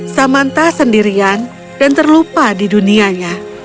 samanta sendirian dan terlupa di dunianya